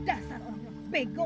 dasar orangnya bego